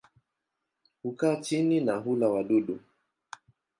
Hukaa chini na hula wadudu.